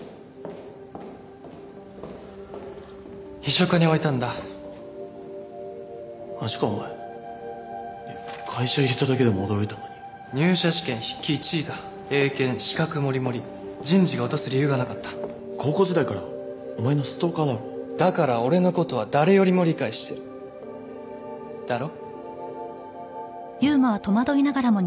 秘書課に置いたんだマジかお前会社入れただけでも驚いたのに入社試験筆記１位だ英検資格モリモリ人事が落とす理由がなかった高校時代からお前のストーカーだろだから俺のことは誰よりも理解してるだろ？